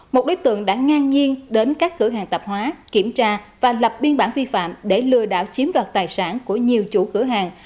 một đối tượng đã ngang nhiên đến các cửa hàng tạp hóa kiểm tra và lập biên bản vi phạm để lừa đảo chiếm đoạt tài sản của nhiều chủ cửa hàng